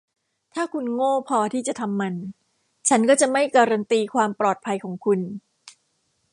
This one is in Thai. ถ้าคุณโง่พอที่จะทำมัน ฉันก็จะไม่การันตีความปลอดภัยของคุณ